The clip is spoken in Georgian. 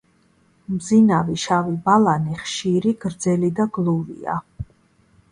მბზინავი, შავი ბალანი ხშირი, გრძელი და გლუვია.